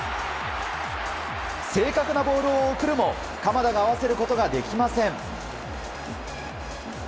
正確なボールを送るも鎌田が合わせることができません。